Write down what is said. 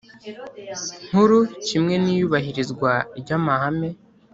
Nkuru kimwe n iyubahirizwa ry amahame